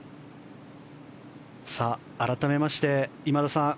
改めまして今田さん